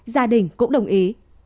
gia đình cũng đồng ý